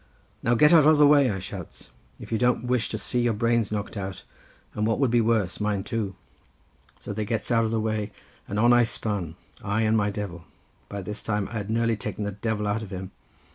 "'Now get out of the way,' I shouts, 'if you don't wish to see your brains knocked out, and what would be worse, mine too.' "So they gets out of the way, and on I spun, I and my devil. But by this time I had nearly taken the devil out of him.